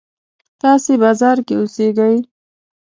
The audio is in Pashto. تاسې بازار کې اوسېږئ.